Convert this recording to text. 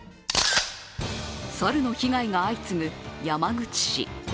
サルの被害が相次ぐ山口市。